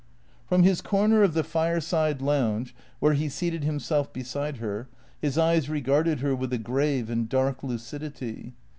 From his corner of the fireside lounge, where he seated him self beside her, his eyes regarded her with a grave and dark lucidity.